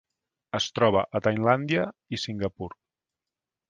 Es troba a Tailàndia i Singapur.